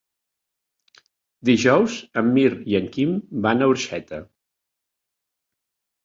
Dijous en Mirt i en Quim van a Orxeta.